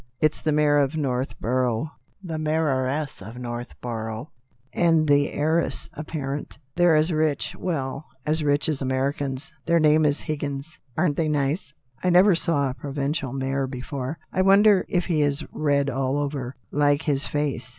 It's the mayor of North borough, the mayoress of Northborough, and the heiress apparent. They're as rich — well, 206 THE 8T0RT OF A MODERN WOMAN. as rich as Americans. Their name is Hig gins. Aren't they nice? I never saw a provincial mayor before. I wonder if he is red all over, like his face